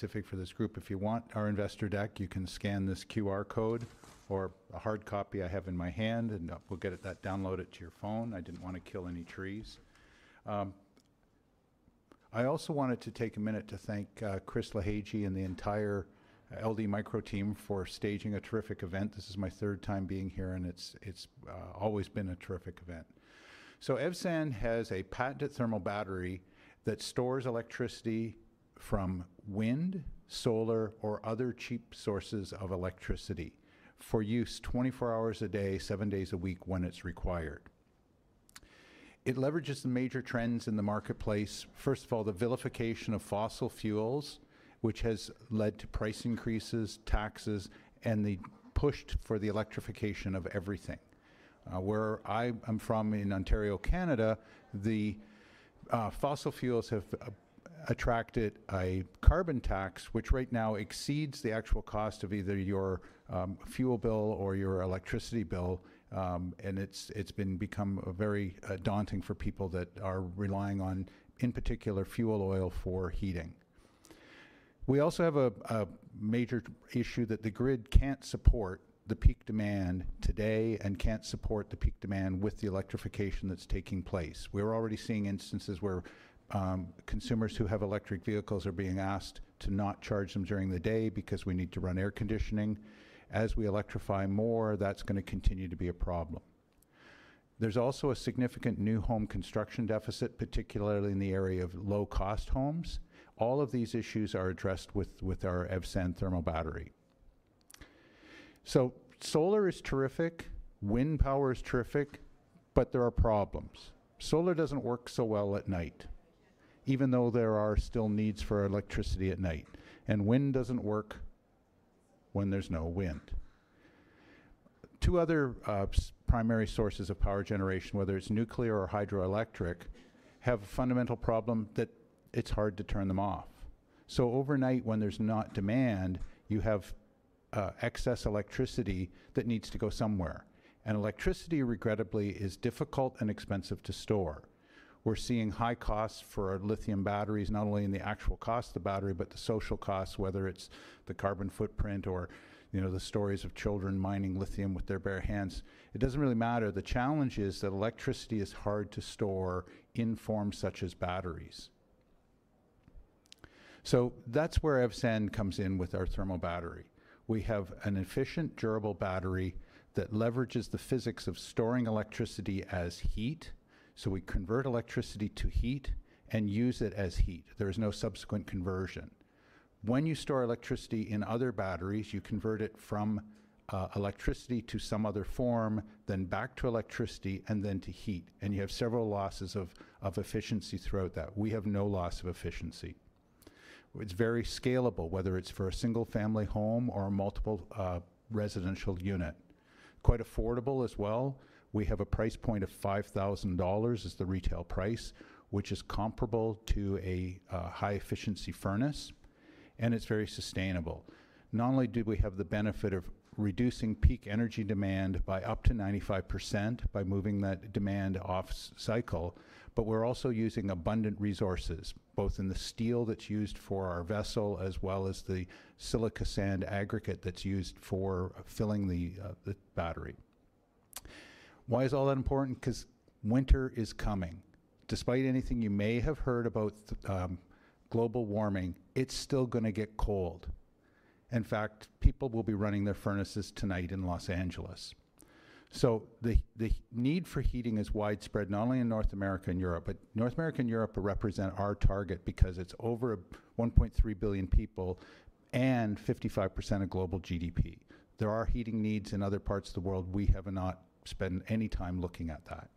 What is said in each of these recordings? Specific for this group. If you want our investor deck, you can scan this QR code or a hard copy I have in my hand, and we'll get that downloaded to your phone. I didn't want to kill any trees. I also wanted to take a minute to thank Chris Lahiji and the entire LD Micro team for staging a terrific event. This is my third time being here, and it's always been a terrific event. So Evsan has a patented thermal battery that stores electricity from wind, solar, or other cheap sources of electricity for use 24 hours a day, seven days a week when it's required. It leverages the major trends in the marketplace. First of all, the vilification of fossil fuels, which has led to price increases, taxes, and the push for the electrification of everything. Where I am from in Ontario, Canada, the fossil fuels have attracted a carbon tax, which right now exceeds the actual cost of either your fuel bill or your electricity bill, and it's become very daunting for people that are relying on, in particular, fuel oil for heating. We also have a major issue that the grid can't support the peak demand today and can't support the peak demand with the electrification that's taking place. We're already seeing instances where consumers who have electric vehicles are being asked to not charge them during the day because we need to run air conditioning. As we electrify more, that's going to continue to be a problem. There's also a significant new home construction deficit, particularly in the area of low-cost homes. All of these issues are addressed with our Evsan thermal battery. Solar is terrific. Wind power is terrific, but there are problems. Solar doesn't work so well at night, even though there are still needs for electricity at night, and wind doesn't work when there's no wind. Two other primary sources of power generation, whether it's nuclear or hydroelectric, have a fundamental problem that it's hard to turn them off. So overnight, when there's not demand, you have excess electricity that needs to go somewhere, and electricity regrettably is difficult and expensive to store. We're seeing high costs for lithium batteries, not only in the actual cost of the battery but the social costs, whether it's the carbon footprint or the stories of children mining lithium with their bare hands. It doesn't really matter. The challenge is that electricity is hard to store in forms such as batteries. So that's where Evsan comes in with our thermal battery. We have an efficient, durable battery that leverages the physics of storing electricity as heat. So we convert electricity to heat and use it as heat. There is no subsequent conversion. When you store electricity in other batteries, you convert it from electricity to some other form, then back to electricity, and then to heat, and you have several losses of efficiency throughout that. We have no loss of efficiency. It's very scalable, whether it's for a single-family home or a multiple residential unit. Quite affordable as well. We have a price point of 5,000 dollars as the retail price, which is comparable to a high-efficiency furnace, and it's very sustainable. Not only do we have the benefit of reducing peak energy demand by up to 95% by moving that demand off-cycle, but we're also using abundant resources, both in the steel that's used for our vessel as well as the silica sand aggregate that's used for filling the battery. Why is all that important? Because winter is coming. Despite anything you may have heard about global warming, it's still going to get cold. In fact, people will be running their furnaces tonight in Los Angeles. So the need for heating is widespread, not only in North America and Europe, but North America and Europe represent our target because it's over 1.3 billion people and 55% of global GDP. There are heating needs in other parts of the world. We have not spent any time looking at that.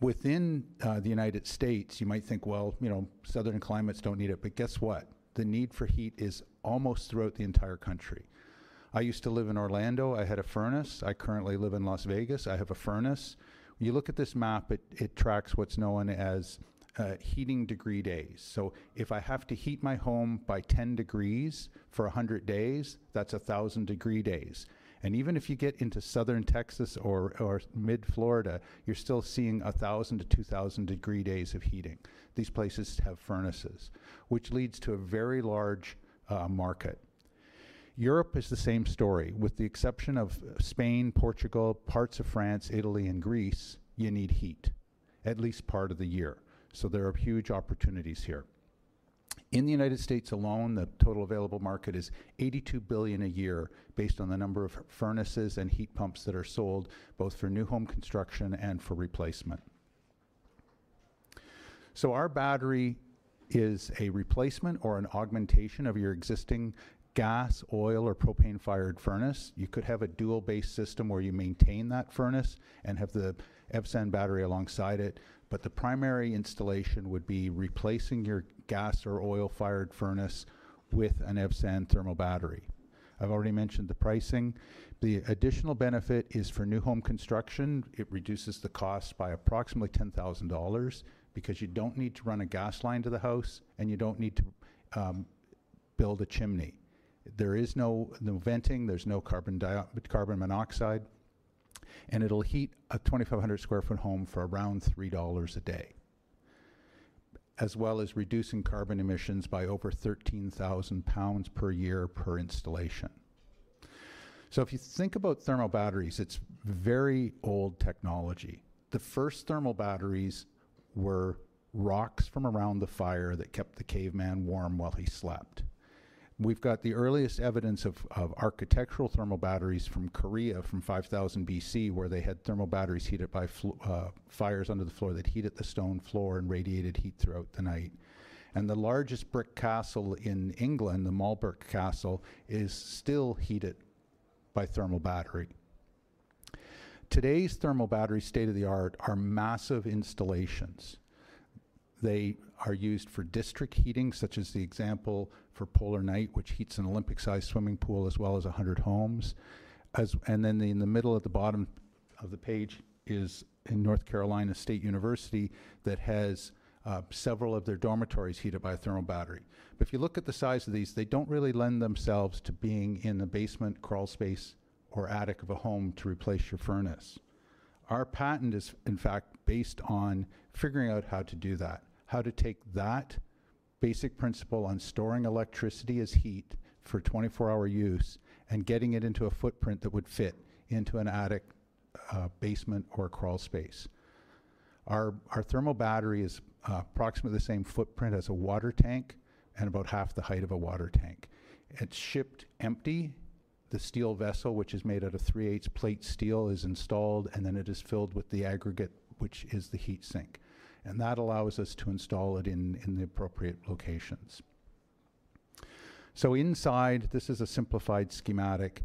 Within the United States, you might think, "Well, you know, southern climates don't need it," but guess what? The need for heat is almost throughout the entire country. I used to live in Orlando. I had a furnace. I currently live in Las Vegas. I have a furnace. You look at this map, it tracks what's known as heating degree days. So if I have to heat my home by 10 degrees for 100 days, that's 1,000 degree days, and even if you get into southern Texas or mid-Florida, you're still seeing 1,000 to 2,000 degree days of heating. These places have furnaces, which leads to a very large market. Europe is the same story. With the exception of Spain, Portugal, parts of France, Italy, and Greece, you need heat at least part of the year, so there are huge opportunities here. In the United States alone, the total available market is $82 billion a year based on the number of furnaces and heat pumps that are sold both for new home construction and for replacement. So our battery is a replacement or an augmentation of your existing gas, oil, or propane-fired furnace. You could have a dual-based system where you maintain that furnace and have the Evsan battery alongside it, but the primary installation would be replacing your gas or oil-fired furnace with an Evsan thermal battery. I've already mentioned the pricing. The additional benefit is for new home construction. It reduces the cost by approximately $10,000 because you don't need to run a gas line to the house, and you don't need to build a chimney. There is no venting, there's no carbon monoxide, and it'll heat a 2,500 sq ft home for around $3 a day, as well as reducing carbon emissions by over 13,000 pounds per year per installation. So if you think about thermal batteries, it's very old technology. The first thermal batteries were rocks from around the fire that kept the caveman warm while he slept. We've got the earliest evidence of architectural thermal batteries from Korea from 5,000 BC, where they had thermal batteries heated by fires under the floor that heated the stone floor and radiated heat throughout the night, and the largest brick castle in England, the Malbork Castle, is still heated by thermal battery. Today's thermal batteries, state of the art, are massive installations. They are used for district heating, such as the example for Polar Night, which heats an Olympic-sized swimming pool as well as 100 homes. And then, in the middle at the bottom of the page, is in North Carolina State University that has several of their dormitories heated by a thermal battery. But if you look at the size of these, they don't really lend themselves to being in the basement, crawl space, or attic of a home to replace your furnace. Our patent is, in fact, based on figuring out how to do that, how to take that basic principle of storing electricity as heat for 24-hour use and getting it into a footprint that would fit into an attic, basement, or crawl space. Our thermal battery is approximately the same footprint as a water tank and about half the height of a water tank. It's shipped empty. The steel vessel, which is made out of 3/8 plate steel, is installed, and then it is filled with the aggregate, which is the heat sink, and that allows us to install it in the appropriate locations. So inside, this is a simplified schematic.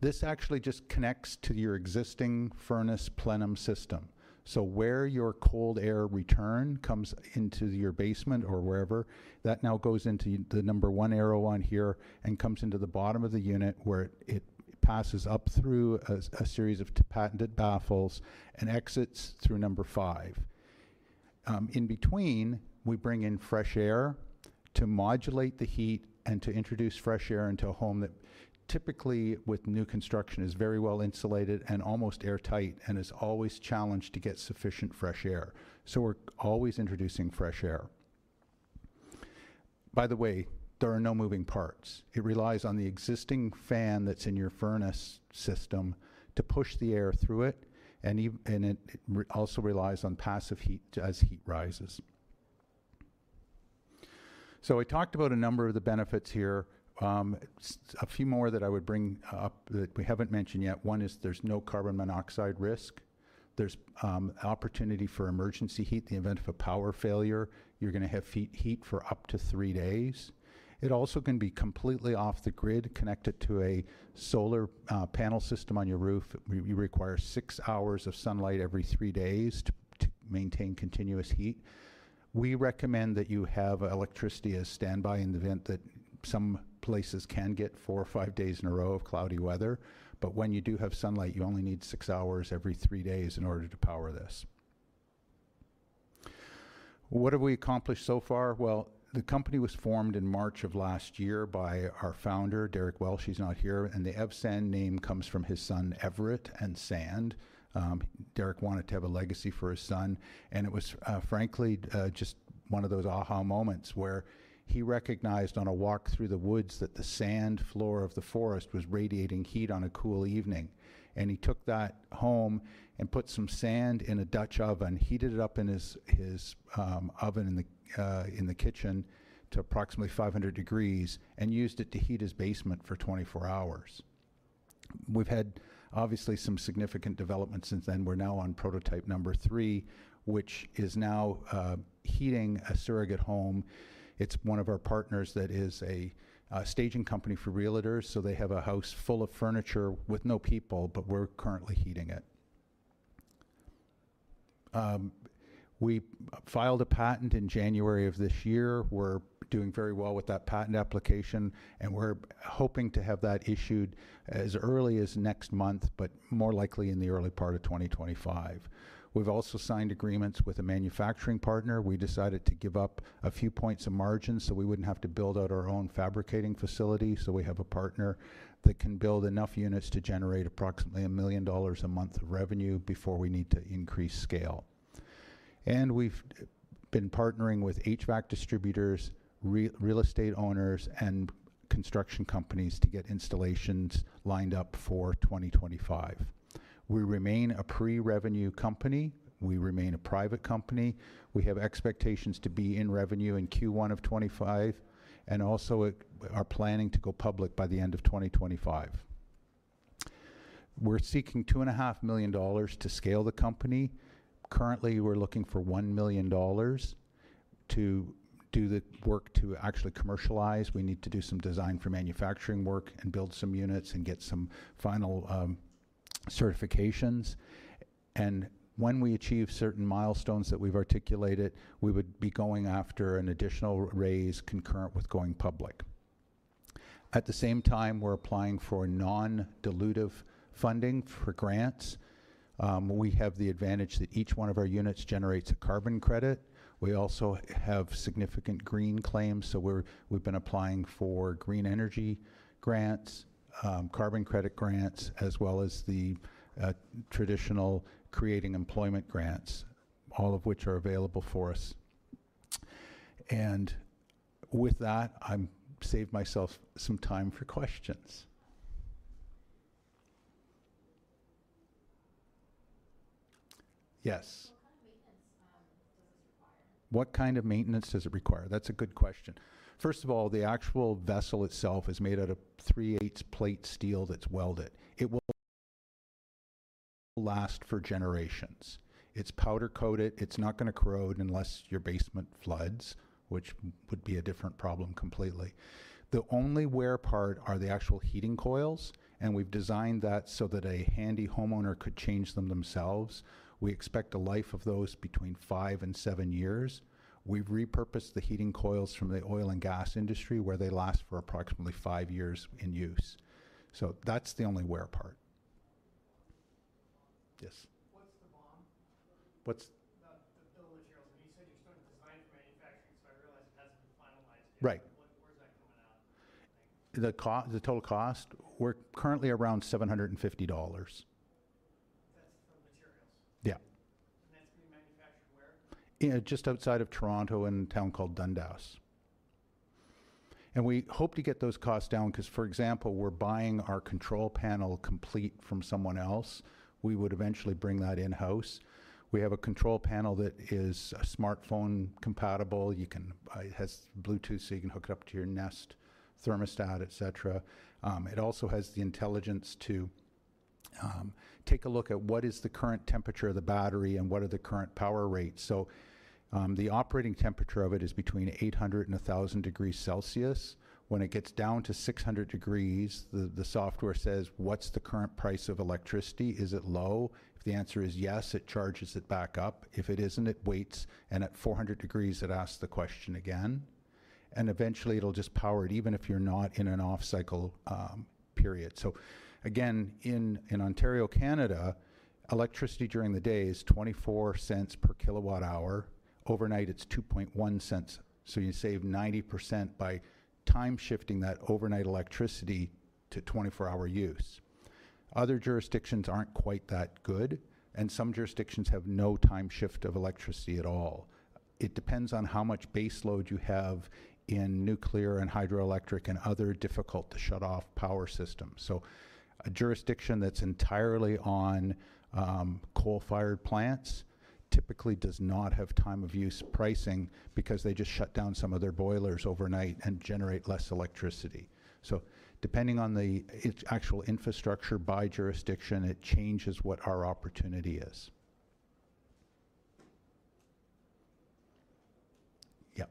This actually just connects to your existing furnace plenum system. So where your cold air return comes into your basement or wherever, that now goes into the number one arrow on here and comes into the bottom of the unit where it passes up through a series of patented baffles and exits through number five. In between, we bring in fresh air to modulate the heat and to introduce fresh air into a home that typically, with new construction, is very well insulated and almost airtight and is always challenged to get sufficient fresh air. So we're always introducing fresh air. By the way, there are no moving parts. It relies on the existing fan that's in your furnace system to push the air through it, and it also relies on passive heat as heat rises. So I talked about a number of the benefits here. A few more that I would bring up that we haven't mentioned yet. One is there's no carbon monoxide risk. There's opportunity for emergency heat in the event of a power failure. You're going to have heat for up to three days. It also can be completely off the grid, connected to a solar panel system on your roof. You require six hours of sunlight every three days to maintain continuous heat. We recommend that you have electricity as standby in the event that some places can get four or five days in a row of cloudy weather, but when you do have sunlight, you only need six hours every three days in order to power this. What have we accomplished so far? Well, the company was formed in March of last year by our founder, Derek Welsh. He's not here, and the Evsan name comes from his son, Everett, and sand. Derek wanted to have a legacy for his son, and it was, frankly, just one of those aha moments where he recognized on a walk through the woods that the sand floor of the forest was radiating heat on a cool evening, and he took that home and put some sand in a Dutch oven, heated it up in his oven in the kitchen to approximately 500 degrees Fahrenheit, and used it to heat his basement for 24 hours. We've had, obviously, some significant development since then. We're now on prototype number three, which is now heating a surrogate home. It's one of our partners that is a staging company for realtors, so they have a house full of furniture with no people, but we're currently heating it. We filed a patent in January of this year. We're doing very well with that patent application, and we're hoping to have that issued as early as next month, but more likely in the early part of 2025. We've also signed agreements with a manufacturing partner. We decided to give up a few points of margin so we wouldn't have to build out our own fabricating facility. So we have a partner that can build enough units to generate approximately $1 million a month of revenue before we need to increase scale. And we've been partnering with HVAC distributors, real estate owners, and construction companies to get installations lined up for 2025. We remain a pre-revenue company. We remain a private company. We have expectations to be in revenue in Q1 of 2025 and also are planning to go public by the end of 2025. We're seeking $2.5 million to scale the company. Currently, we're looking for $1 million to do the work to actually commercialize. We need to do some design for manufacturing work and build some units and get some final certifications. And when we achieve certain milestones that we've articulated, we would be going after an additional raise concurrent with going public. At the same time, we're applying for non-dilutive funding for grants. We have the advantage that each one of our units generates a carbon credit. We also have significant green claims, so we've been applying for green energy grants, carbon credit grants, as well as the traditional creating employment grants, all of which are available for us. And with that, I've saved myself some time for questions. Yes. What kind of maintenance does this require? That's a good question. First of all, the actual vessel itself is made out of 3/8 plate steel that's welded. It will last for generations. It's powder-coated. It's not going to corrode unless your basement floods, which would be a different problem completely. The only wear part are the actual heating coils, and we've designed that so that a handy homeowner could change them themselves. We expect a life of those between five and seven years. We've repurposed the heating coils from the oil and gas industry where they last for approximately five years in use. So that's the only wear part. Yes. What's the BOM? What's the bill of materials? I mean, you said you're still in design for manufacturing, so I realize it hasn't been finalized yet. Right. Where's that coming out? The total cost? We're currently around 750 dollars. That's for materials? Yeah. And that's being manufactured where? Just outside of Toronto in a town called Dundas, and we hope to get those costs down because, for example, we're buying our control panel complete from someone else. We would eventually bring that in-house. We have a control panel that is smartphone compatible. It has Bluetooth, so you can hook it up to your Nest thermostat, etc. It also has the intelligence to take a look at what is the current temperature of the battery and what are the current power rates, so the operating temperature of it is between 800 and 1,000 degrees Celsius. When it gets down to 600 degrees, the software says, "What's the current price of electricity? Is it low?" If the answer is yes, it charges it back up. If it isn't, it waits, and at 400 degrees, it asks the question again. Eventually, it'll just power it even if you're not in an off-cycle period. Again, in Ontario, Canada, electricity during the day is 0.24 per kilowatt-hour. Overnight, it's 0.021. You save 90% by time-shifting that overnight electricity to 24-hour use. Other jurisdictions aren't quite that good, and some jurisdictions have no time shift of electricity at all. It depends on how much baseload you have in nuclear and hydroelectric and other difficult-to-shut-off power systems. A jurisdiction that's entirely on coal-fired plants typically does not have time-of-use pricing because they just shut down some of their boilers overnight and generate less electricity. Depending on the actual infrastructure by jurisdiction, it changes what our opportunity is. Yeah.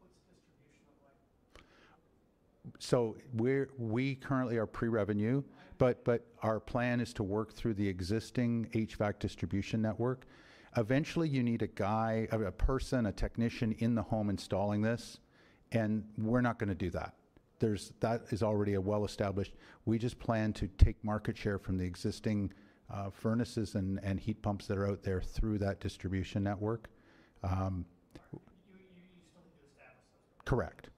What's the distribution of light? We currently are pre-revenue, but our plan is to work through the existing HVAC distribution network. Eventually, you need a guy, a person, a technician in the home installing this, and we're not going to do that. That is already a well-established. We just plan to take market share from the existing furnaces and heat pumps that are out there through that distribution network. You still need to establish those? Correct.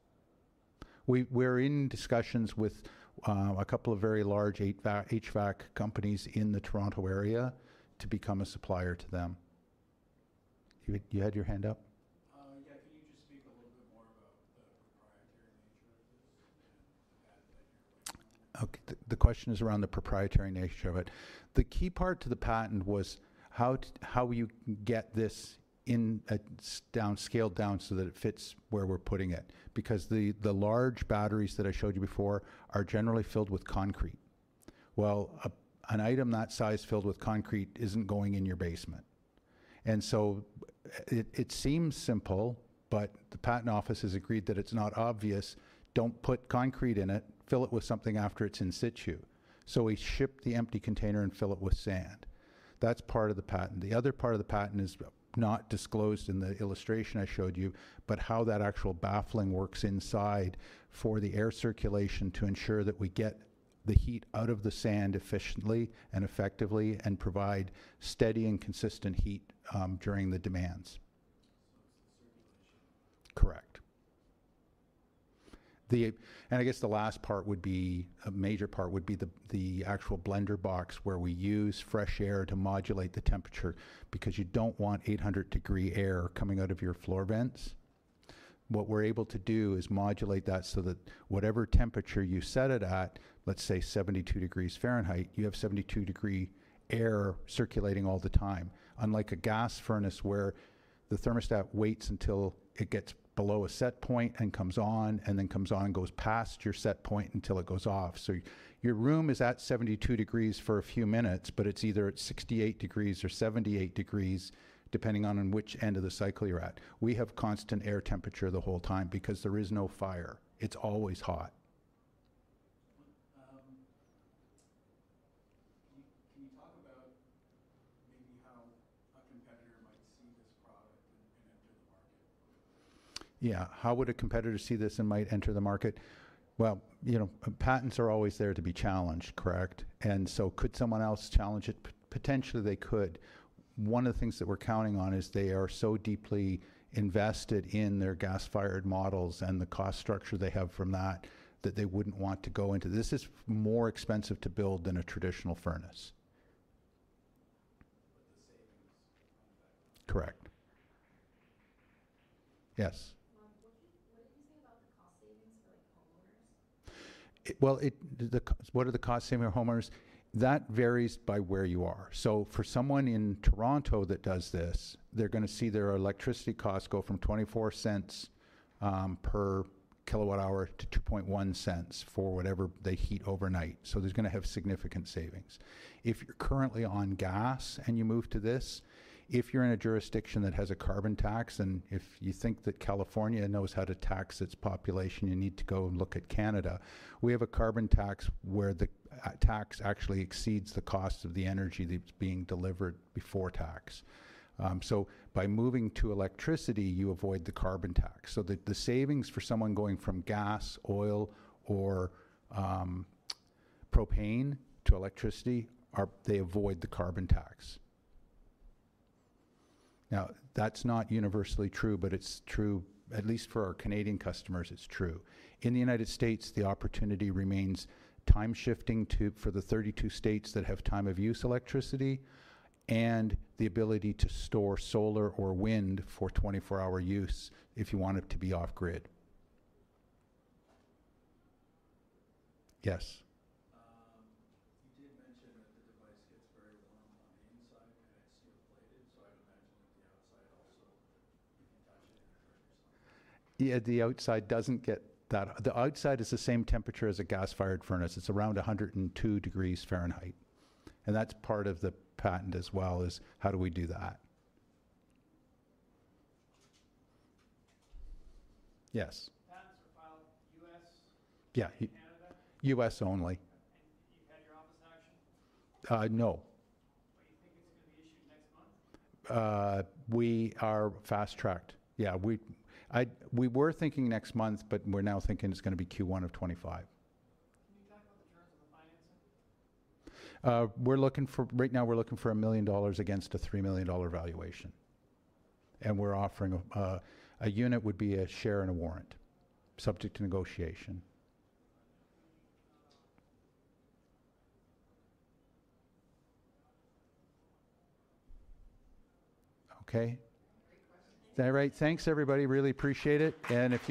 We're in discussions with a couple of very large HVAC companies in the Toronto area to become a supplier to them. You had your hand up. Yeah. Can you just speak a little bit more about the proprietary nature of this and the benefit you're awaiting? The question is around the proprietary nature of it. The key part to the patent was how you get this scaled down so that it fits where we're putting it because the large batteries that I showed you before are generally filled with concrete. An item that size filled with concrete isn't going in your basement, and so it seems simple, but the patent office has agreed that it's not obvious. Don't put concrete in it. Fill it with something after it's in situ. We ship the empty container and fill it with sand. That's part of the patent. The other part of the patent is not disclosed in the illustration I showed you, but how that actual baffling works inside for the air circulation to ensure that we get the heat out of the sand efficiently and effectively and provide steady and consistent heat during the demands, so it's the circulation. Correct, and I guess the last part would be a major part would be the actual blender box where we use fresh air to modulate the temperature because you don't want 800-degree air coming out of your floor vents. What we're able to do is modulate that so that whatever temperature you set it at, let's say 72 degrees Fahrenheit, you have 72-degree air circulating all the time, unlike a gas furnace where the thermostat waits until it gets below a set point and comes on and then comes on and goes past your set point until it goes off. So your room is at 72 degrees for a few minutes, but it's either at 68 degrees or 78 degrees, depending on which end of the cycle you're at. We have constant air temperature the whole time because there is no fire. It's always hot. Can you talk about maybe how a competitor might see this product and enter the market? Yeah. How would a competitor see this and might enter the market? Well, patents are always there to be challenged, correct, and so could someone else challenge it? Potentially, they could. One of the things that we're counting on is they are so deeply invested in their gas-fired models and the cost structure they have from that that they wouldn't want to go into. This is more expensive to build than a traditional furnace, but the savings will come back. Correct. Yes. What did you say about the cost savings for homeowners? Well, what are the cost savings for homeowners? That varies by where you are, so for someone in Toronto that does this, they're going to see their electricity cost go from 0.24 per kilowatt-hour to 0.021 for whatever they heat overnight, so there's going to have significant savings. If you're currently on gas and you move to this, if you're in a jurisdiction that has a carbon tax, and if you think that California knows how to tax its population, you need to go and look at Canada. We have a carbon tax where the tax actually exceeds the cost of the energy that's being delivered before tax. So by moving to electricity, you avoid the carbon tax. So the savings for someone going from gas, oil, or propane to electricity, they avoid the carbon tax. Now, that's not universally true, but it's true, at least for our Canadian customers, it's true. In the United States, the opportunity remains time-shifting for the 32 states that have time-of-use electricity and the ability to store solar or wind for 24-hour use if you want it to be off-grid. Yes. You did mention that the device gets very warm on the inside and it's steel-plated, so I would imagine that the outside also can touch it and burn yourself. Yeah. The outside doesn't get that. The outside is the same temperature as a gas-fired furnace. It's around 102 degrees Fahrenheit. And that's part of the patent as well is how do we do that? Yes. Patents are filed in the U.S.? Yeah. Canada? U.S. only. And you've had your office action? No. But you think it's going to be issued next month? We are fast-tracked. Yeah. We were thinking next month, but we're now thinking it's going to be Q1 of 2025. Can you talk about the terms of the financing? Right now, we're looking for $1 million against a $3 million valuation. And we're offering a unit would be a share and a warrant, subject to negotiation. Okay. Great question. Is that all right? Thanks, everybody. Really appreciate it. And if.